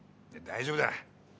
大丈夫だ。